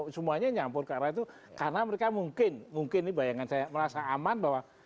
semuanya nyampur ke arah itu karena mereka mungkin mungkin ini bayangan saya merasa aman bahwa